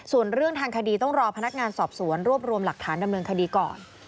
ส่วนเรื่องทางคดีต้องรอพนักงานสอบสวนรวบรวมหลักฐานดำเนินคดีก่อน